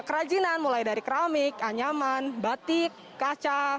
kerajinan mulai dari keramik anyaman batik kaca